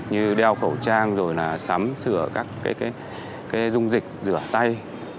như đeo khẩu trang rồi là sắm sửa các cái dung dịch rửa tay